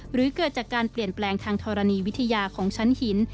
หรือเกิดจากการเปลี่ยนแปลงทางธรณีวิทยาของชั้นหิน